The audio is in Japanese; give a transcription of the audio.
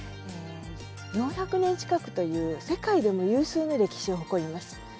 ４００年近くという世界でも有数の歴史を誇ります。